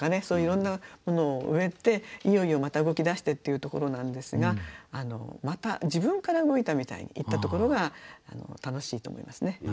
そういろんなものを植えていよいよまた動き出してっていうところなんですがまた自分から動いたみたいに言ったところが楽しいと思いますね。